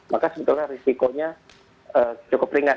maka sebetulnya risikonya cukup ringan